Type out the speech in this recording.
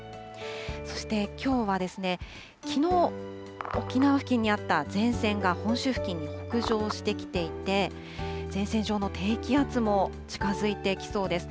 そしてきょうは、きのう沖縄付近にあった前線が本州付近に北上してきていて、前線上の低気圧も近づいてきそうです。